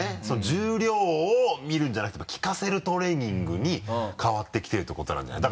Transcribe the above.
重量を見るんじゃなくて効かせるトレーニングに変わってきてるってことなんじゃない？